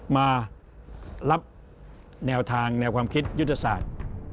มารับแนวทางแนวความคิดยุทธศาสตร์